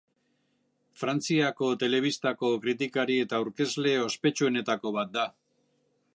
Frantziako telebistako kritikari eta aurkezle ospetsuenetako bat da.